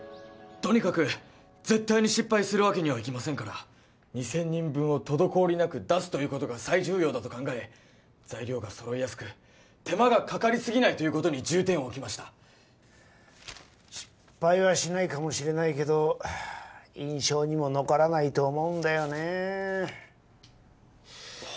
とにかく絶対に失敗するわけにはいきませんから２０００人分を滞りなく出すということが最重要だと考え材料が揃えやすく手間がかかりすぎないことに重点を置きました失敗はしないかもしれないけど印象にも残らないと思うんだよねえは